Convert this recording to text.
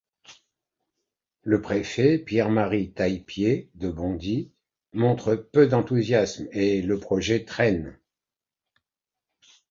Le préfet, Pierre-Marie Taillepied de Bondy, montre peu d'enthousiasme et le projet traîne.